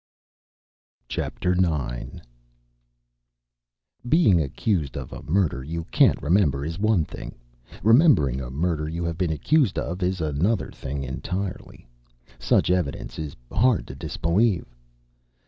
Chapter Nine Being accused of a murder you can't remember is one thing; remembering a murder you have been accused of is another thing entirely. Such evidence is hard to disbelieve.